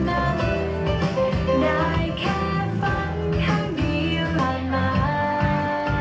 ได้แค่ฝันข้างดีเลยหลายไป